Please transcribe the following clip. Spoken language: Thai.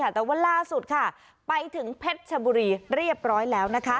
แต่ว่าล่าสุดค่ะไปถึงเพชรชบุรีเรียบร้อยแล้ว